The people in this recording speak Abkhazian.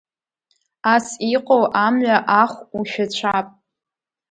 Ас иҟоу амҩа ахә ушәацәап!